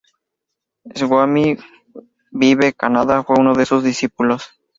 Swami Vivekananda fue uno de sus discípulos.